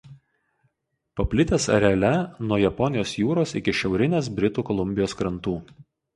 Paplitęs areale nuo Japonijos jūros iki šiaurinės Britų Kolumbijos krantų.